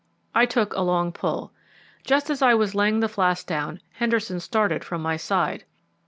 I took a long pull. Just as I was laying the flask down Henderson started from my side.